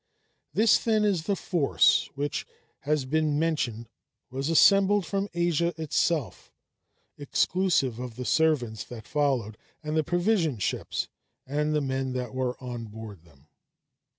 This, then, is the force which, as has been mentioned, was assembled from Asia itself, exclusive of the servants that followed, and the provision ships, and the men that were on board them.